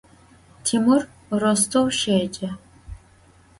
Timur Rostov şêce.